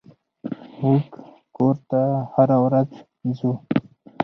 موږ کور ته هره ورځ ځو.